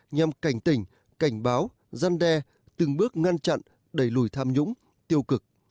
nhằm cảnh tỉnh cảnh báo gian đe từng bước ngăn chặn đẩy lùi tham nhũng tiêu cực